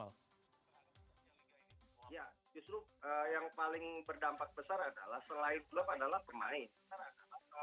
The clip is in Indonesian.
ya justru yang paling berdampak besar adalah selain klub adalah pemain